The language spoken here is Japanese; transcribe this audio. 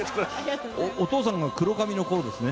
お父さんが黒髪のころですね。